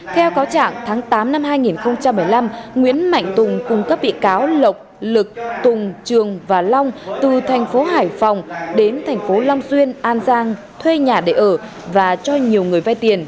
theo cáo trạng tháng tám năm hai nghìn một mươi năm nguyễn mạnh tùng cùng các bị cáo lộc lực tùng trường và long từ thành phố hải phòng đến thành phố long xuyên an giang thuê nhà để ở và cho nhiều người vay tiền